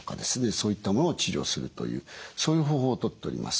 そういったものを治療するというそういう方法をとっております。